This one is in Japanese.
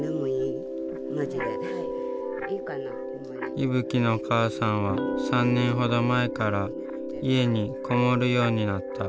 いぶきのお母さんは３年ほど前から家にこもるようになった。